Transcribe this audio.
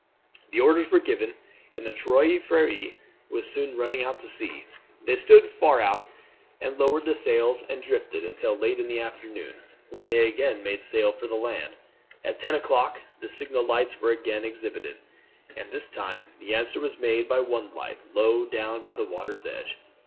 The orders were given, and the Trois Freres was soon running out to sea. They stood far out and then lowered the sails and drifted until late in the afternoon, when they again made sail for the land. At ten o'clock the signal lights were again exhibited, and this time the answer was made by one light low down by the water's edge.